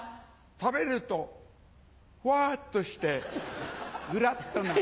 食べるとフォワっとしてグラっとなる。